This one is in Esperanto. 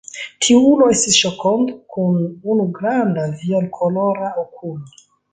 Tiu ulo estis Ŝokond, kun unu granda violkolora okulo.